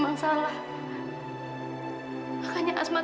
makanya asma tuh susah untuk menjawab pertanyaannya mas